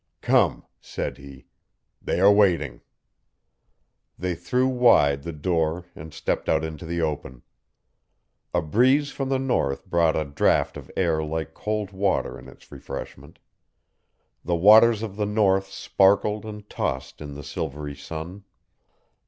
"Come," said he, "they are waiting." They threw wide the door and stepped out into the open. A breeze from the north brought a draught of air like cold water in its refreshment. The waters of the North sparkled and tossed in the silvery sun.